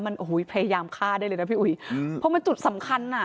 มันโอ้โหพยายามฆ่าได้เลยนะพี่อุ๋ยอืมเพราะมันจุดสำคัญอ่ะ